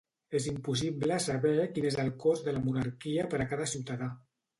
És impossible saber quin és el cost de la monarquia per a cada ciutadà